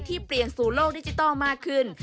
เปลี่ยนสู่โลกดิจิทัลมากขึ้น